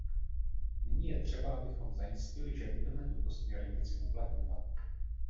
Nyní je třeba, abychom zajistili, že budeme tuto směrnici uplatňovat.